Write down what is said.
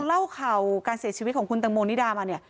เล่าข่าวการเสียชีวิตของคุณตังโมนิดามาเนี่ย